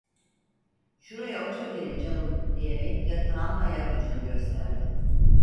"Şuraya oturuverin canım!" diyerek yatağın ayakucunu gösterdi.